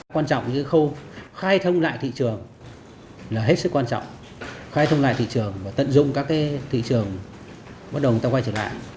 quan trọng là cái khâu khai thông lại thị trường là hết sức quan trọng khai thông lại thị trường và tận dung các cái thị trường bắt đầu người ta quay trở lại